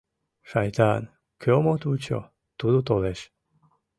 Шайтан, кӧм от вучо, тудо толеш.